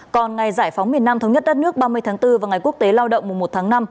còn ngày giải phóng miền nam thống nhất đất nước ba mươi tháng bốn và ngày quốc tế lao động mùa một tháng năm